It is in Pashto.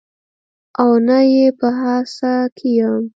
او نه یې په هڅه کې یم